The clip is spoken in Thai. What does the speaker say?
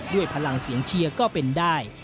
พลังเสียงเชียร์ก็เป็นได้